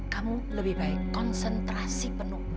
kamu lebih baik konsentrasi penuh